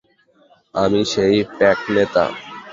আমি সেই প্যাক নেতা।